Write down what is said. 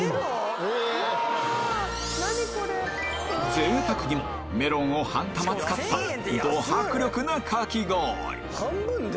ぜいたくにもメロンを半玉使ったど迫力なかき氷！